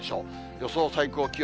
予想最高気温。